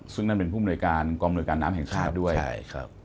ซึ่งนั่นเป็นผู้บริการกรรมบริการน้ำแห่งฆาตด้วย